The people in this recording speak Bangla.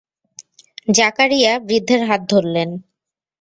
জাকারিয়া বৃদ্ধের হাত ধরলেন।